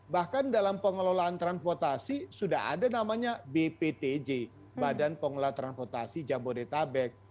bahkan dalam pengelolaan transportasi sudah ada namanya bptj badan pengelola transportasi jabodetabek